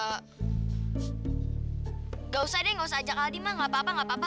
nggak usah deh nggak usah ajak aldi mah gak apa apa nggak apa apa